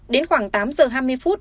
đến khoảng tám giờ hai mươi phút